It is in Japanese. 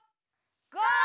ゴー！